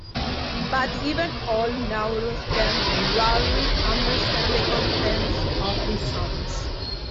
But even old Nauruans can rarely understand the contents of these songs.